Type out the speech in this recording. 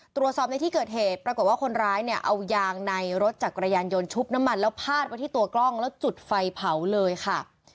ตรวจสอบในที่เกิดเหตุปรากฏว่าคนร้ายเนี่ยเอายางในรถจักรยานยนต์ชุบน้ำมันแล้วพาดไว้ที่ตัวกล้องแล้วจุดไฟเผาเลยค่ะ